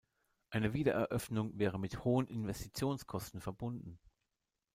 Eine Wiedereröffnung wäre mit hohen Investitionskosten verbunden.